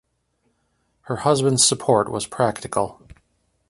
Her husband's support was practical.